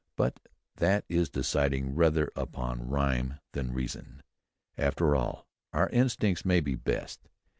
But that is deciding rather upon rhyme than reason.... After all, our instincts may be best."